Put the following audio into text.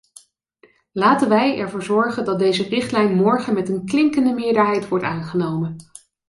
Laten wij ervoor zorgen dat deze richtlijn morgen met een klinkende meerderheid wordt aangenomen.